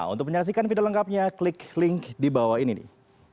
untuk menyaksikan video lengkapnya klik link di bawah ini nih